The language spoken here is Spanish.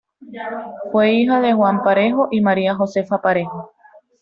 Fue hija de Juan Parejo y María Josefa Parejo.